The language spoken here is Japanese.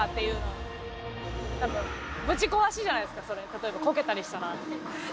例えばコケたりしたら。